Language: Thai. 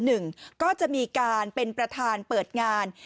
หนึ่งก็จะมีการเป็นประธานเปิดงาน